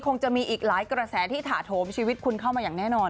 คงจะมีอีกหลายกระแสที่ถาโถมชีวิตคุณเข้ามาอย่างแน่นอน